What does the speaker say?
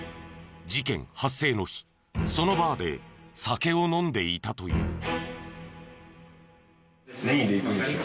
事件発生の日そのバーで酒を飲んでいたという。